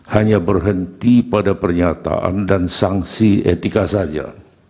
hanya berhenti pada pernyataan dan sanksi etika saja